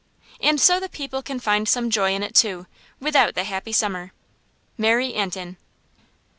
And so the people can find some joy in it, too, without the happy summer. MARY ANTIN.